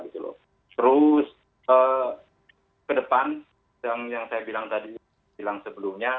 terus ke depan yang saya bilang tadi bilang sebelumnya